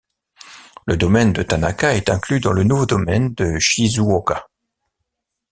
Le domaine de Tanaka est inclus dans le nouveau domaine de Shizuoka.